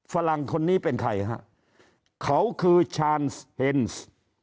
ฝรั่งคนนี้เป็นใครฮะเขาคือชานสเฮนส์